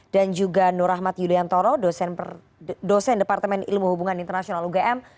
dan juga nur rahmat yudhoyantoro dosen departemen ilmu hubungan internasional ugm